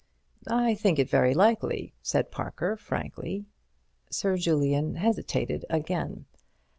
"I think it very likely," said Parker, frankly. Sir Julian hesitated again.